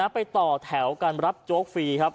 ไปต่อแถวกันรับโจ๊กฟรีครับ